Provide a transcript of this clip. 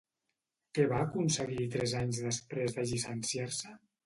Què va aconseguir tres anys després de llicenciar-se?